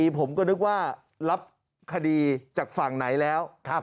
ผมก็นึกว่ารับคดีจากฝั่งไหนแล้ว